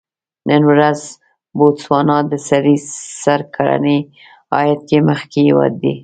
نن ورځ بوتسوانا د سړي سر کلني عاید کې مخکې هېواد دی.